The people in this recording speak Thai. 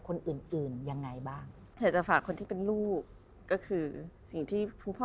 คนอื่นยังไงบ้างจะฝากคนที่เป็นลูกก็คือสิ่งที่พ่อ